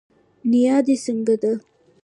نيا دي څنګه ده